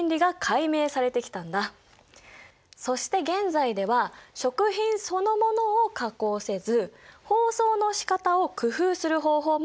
そして現在では食品そのものを加工せず包装のしかたを工夫する方法も考えられているんだ。